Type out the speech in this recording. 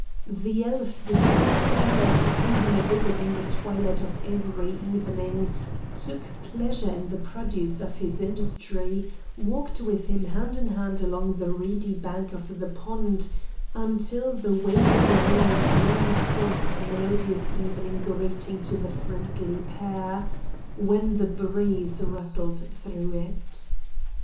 The elf did not fail to pay him a visit in the twilight of every evening, took pleasure in the produce of his industry, walked with him hand in hand along the reedy bank of the pond, until the waving reed murmured forth a melodious evening greeting to the friendly pair, when the breeze rustled through it.